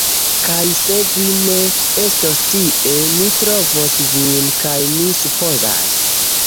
Kaj se vi ne estos tie, mi trovos vin kaj mi supozas